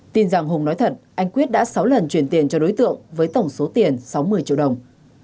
tin rằng hùng nói thật anh quyết đã sáu lần chuyển tiền cho đối tượng với tổng số tiền sáu mươi triệu đồng